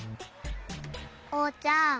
おうちゃん